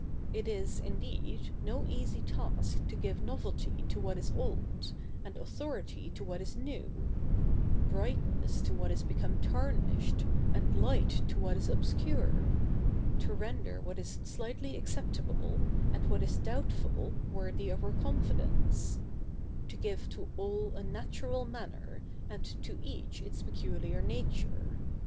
It is, indeed, no easy task to give novelty to what is old, and authority to what is new; brightness to what is become tarnished, and light to what is obscure; to render what is slighted acceptable, and what is doubtful worthy of our confidence; to give to all a natural manner, and to each its peculiar nature.